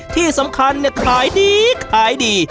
ที่สำคัญเนี่ยขายดีขายดี